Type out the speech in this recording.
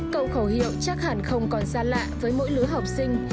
cậu khẩu hiệu chắc hẳn không còn xa lạ với mỗi lứa học sinh